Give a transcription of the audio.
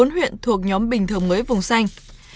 bốn huyện thuộc nhóm bình thường mới vùng xanh